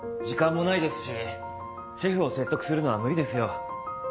時間もないですしシェフを説得するのは無理ですよ。